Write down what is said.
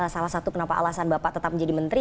salah satu kenapa alasan bapak tetap menjadi menteri